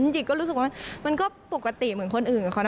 จริงก็รู้สึกว่ามันก็ปกติเหมือนคนอื่นเขานะ